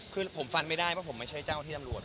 คือผมฟันไม่ได้ว่าผมไม่ใช่เจ้าที่ตำรวจ